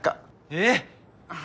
えっ！？